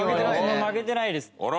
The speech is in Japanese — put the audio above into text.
負けてないです。